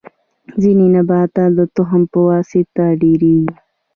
ځینې نباتات د تخم په واسطه ډیریږي